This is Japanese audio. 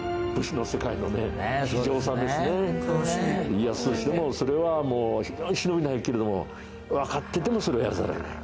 家康としてもそれは非常に忍びないけれどもわかっていてもそれをやらざるを得ない。